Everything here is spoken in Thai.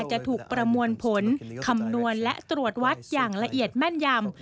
จะถูกประมวลผลคำนวณและตรวจวัดอย่างละเอียดแม่นยำ